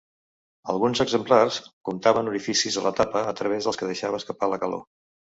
Alguns exemplars comptaven orificis a la tapa a través dels que deixava escapar la calor.